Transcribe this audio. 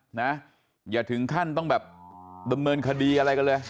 นะอย่าถึงขั้นต้องแบบดำเนินคดีอะไรกันเลย